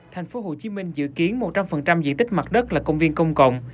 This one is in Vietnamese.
tp hcm dự kiến một trăm linh diện tích mặt đất là công viên công cộng